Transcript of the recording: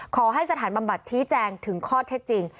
ขอให้สถานบำบัดชี้แจงถึงข้อเท็จจริง